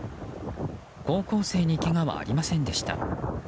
高校生にけがはありませんでした。